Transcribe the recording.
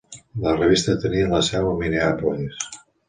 La revista tenia la seu a Minneapolis.